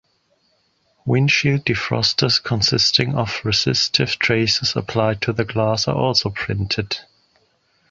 Windshield defrosters consisting of resistive traces applied to the glass are also printed.